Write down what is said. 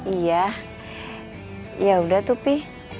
iya ya udah tuh pi